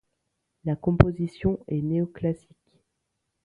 La composition est néoclassique.